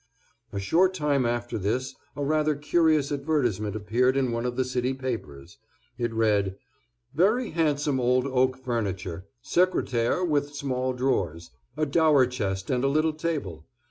A short time after this a rather curious advertisement appeared in one of the city papers. It read: "Very handsome old oak furniture. Secretaire with small drawers. A dower chest and a little table.